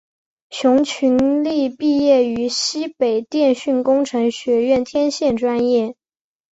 熊群力毕业于西北电讯工程学院天线专业。